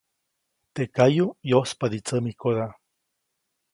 Teʼ kayuʼ yospadi tsämikoda.